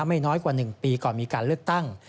ไม่น้อยกว่า๑ปีก่อนมีการเลือกตั้ง